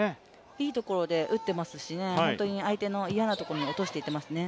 いいところで打っていますし、本当に相手の嫌なところに落としていますね。